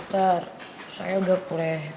tapi ada yang bisa diberi penyakit